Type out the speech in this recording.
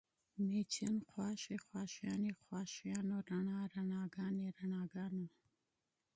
مېچن، خواښې، خواښیانې، خواښیانو، رڼا، رڼاګانې، رڼاګانو